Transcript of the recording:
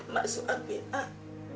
masuk api mak